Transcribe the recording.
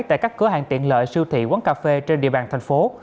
tại các cửa hàng tiện lợi siêu thị quán cà phê trên địa bàn thành phố